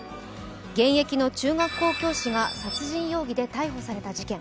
現役の中学校教師が殺人容疑で逮捕された事件。